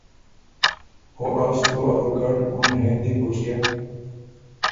او از تُو ا دُوګډ اُن هېندی بُک يېن